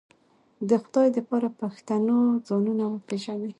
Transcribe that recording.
د خدای د پاره پښتنو ځانونه وپېژنئ